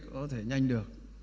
có thể nhanh được